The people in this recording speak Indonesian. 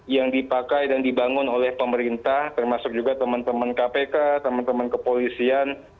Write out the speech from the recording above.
yang dipakai dan dibangun oleh pemerintah termasuk juga teman teman kpk teman teman kepolisian